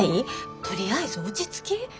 とりあえず落ち着き。